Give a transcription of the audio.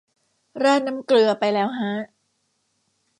ราดน้ำเกลือไปแล้วฮะ